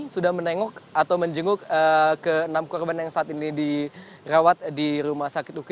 sudah menengok atau menjenguk ke enam korban yang saat ini dirawat di rumah sakit uki